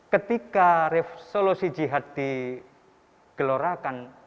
ketika resolusi jihad digelorakan